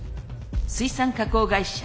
水産加工会社。